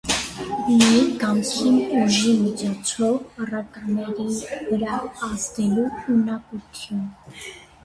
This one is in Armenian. Ունի կամքի ուժի միջոցով առարկաների վրա ազդելու ունակություն։